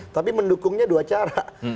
tapi mendukungnya dua cara